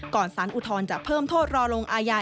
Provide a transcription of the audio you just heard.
ก่อนสรรค์อุทธรรมจะเพิ่มโทษรอลงอาญา